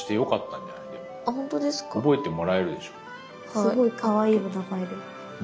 すごいかわいいお名前で。